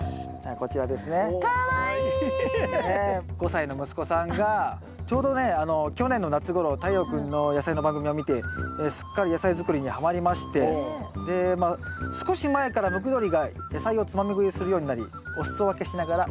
５歳の息子さんがちょうどね去年の夏頃太陽君の野菜の番組を見てすっかり野菜作りにはまりまして少し前からムクドリが野菜をつまみぐいするようになりお裾分けしながら育ててますと。